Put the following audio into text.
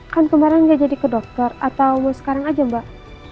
kan kemarin dia jadi ke dokter atau sekarang aja mbak